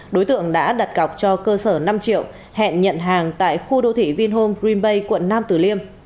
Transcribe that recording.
đối tượng đã đặt cọc cho cơ sở năm triệu hẹn nhận hàng tại khu đô thị vinhome green bay quận nam từ liêm